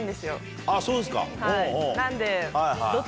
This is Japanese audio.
なんで。